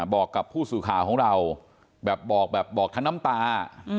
บอกกับผู้สื่อข่าวของเราแบบบอกแบบบอกทั้งน้ำตา